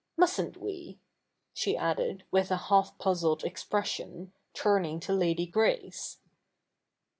Mustn't we ?' she added, with a half puzzled expression, turning to Eady Grace.